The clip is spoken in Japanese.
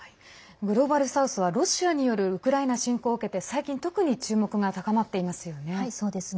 グローバル・サウスはロシアによるウクライナ侵攻を受けて最近、特にそうですね。